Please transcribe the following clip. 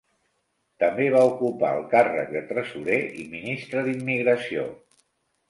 També va ocupar el càrrec de tresorer i ministre d'Immigració.